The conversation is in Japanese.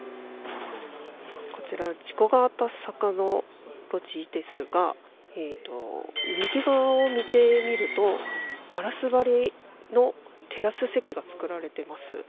こちら事故があった坂の路地ですが右側を見てみるとガラス張りのテラス席がつくられています。